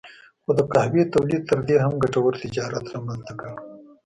خو د قهوې تولید تر دې هم ګټور تجارت رامنځته کړ.